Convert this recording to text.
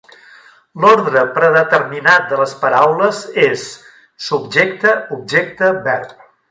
L'ordre predeterminat de les paraules és subjecte-objecte-verb.